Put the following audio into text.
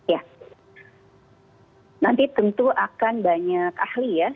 ya nanti tentu akan banyak ahli ya